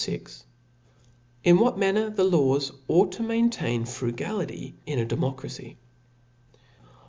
VL In what mantlet'^ the Laws ought t9 maintain Frugality in a Democracy.